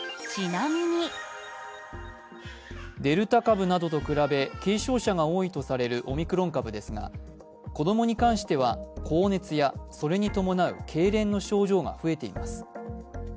デルタ株などと比べ軽症者が多いとされるオミクロン株ですが子供に関しては高熱やそれに伴うけいれんの症状が増えています。